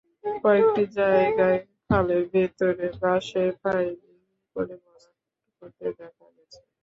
কয়েকটি জায়গায় খালের ভেতরে বাঁশের পাইলিং করে ভরাট করতে দেখা গেছে।